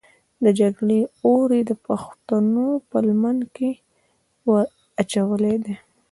د جګړې اور یې د پښتنو په لمن کې ور اچولی دی.